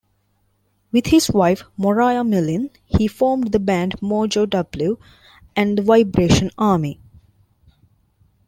With his wife Moriah-Melin, he formed the band MoJoW and the Vibration Army.